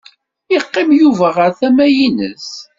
Yeqqim Yuba ɣer tama-nnes.